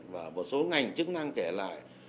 và một số ngành chức năng kể lại